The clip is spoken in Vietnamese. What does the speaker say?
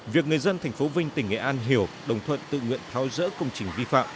việc người dân tp vinh tỉnh nghệ an hiểu đồng thuận tự nguyện tháo rỡ công trình vi phạm